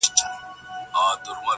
نن دي سترګو کي تصویر را سره خاندي،